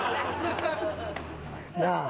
なあ。